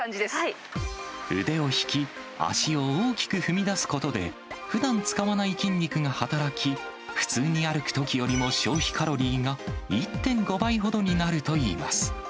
腕を引き、脚を大きく踏み出すことで、ふだん使わない筋肉が働き、普通に歩くときよりも消費カロリーが１．５倍ほどになるといいます。